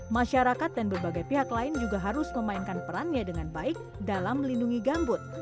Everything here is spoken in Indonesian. masyarakat dan berbagai pihak lain juga harus memainkan perannya dengan baik dalam melindungi gambut